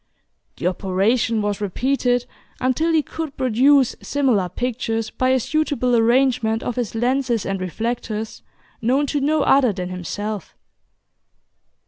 The operation was repeated, until he could produce similar pictures by a suitable arrangement of his lenses and reflectors known to no other than himself.